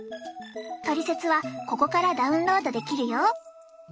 トリセツはここからダウンロードできるよ。